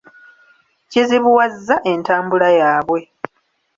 Kizibuwazza entambula yaabwe.